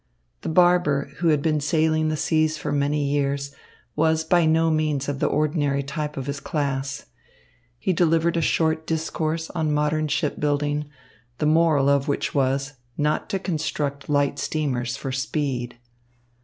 The barber, who had been sailing the seas for many years, was by no means of the ordinary type of his class. He delivered a short discourse on modern shipbuilding, the moral of which was, not to construct light steamers for speed.